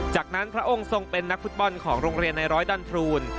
จากนั้นพระองค์ทรงเป็นนักฟุตบอลของโรงเรียนในร้อยดันทรูน